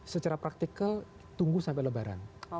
secara praktikal tunggu sampai lebaran